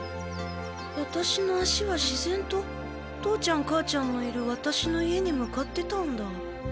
ワタシの足はしぜんと父ちゃん母ちゃんのいるワタシの家に向かってたんだ。